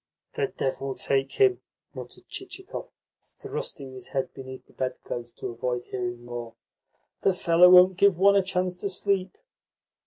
"The devil take him!" muttered Chichikov, thrusting his head beneath the bedclothes to avoid hearing more. "The fellow won't give one a chance to sleep."